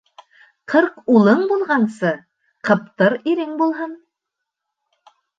Ҡырҡ улын, булғансы, ҡыптыр ирең булһын.